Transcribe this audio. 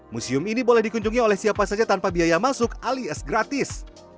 museum ini boleh dikunjungi oleh siapa saja tanpa biaya masuk alias gratis